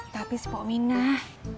tapi si pak minah